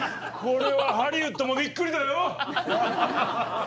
これはハリウッドもびっくりだよ！